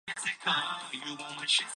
遊園地